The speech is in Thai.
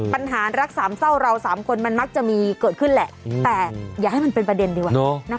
ปัญหารักสามเศร้าเราสามคนมันมักจะมีเกิดขึ้นแหละแต่อย่าให้มันเป็นประเด็นดีกว่า